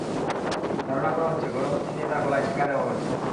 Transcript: ধারণা করা হচ্ছে, গরম কিছু দিয়ে তাঁর গলায় ছ্যাঁকা দেওয়া হয়েছে।